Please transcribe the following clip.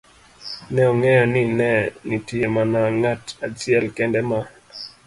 ne ong'eyo ni ne nitie mana ng'at achiel kende ma